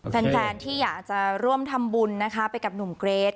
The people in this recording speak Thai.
แฟนที่อยากจะร่วมทำบุญนะคะไปกับหนุ่มเกรท